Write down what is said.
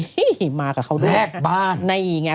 นี่มากับเขาด้วยแรกบ้าน